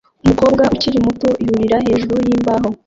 Umukobwa ukiri muto yurira hejuru yimbaho